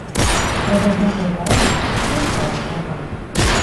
Праз аднаго барана усё стада пагана